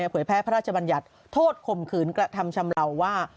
เผยแพร่พระราชบัญญัติโทษข่มขืนกระทำชำเลาว่า